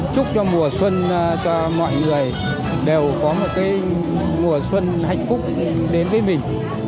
chúc cho mùa xuân cho mọi người đều có một cái mùa xuân hạnh phúc đến với mình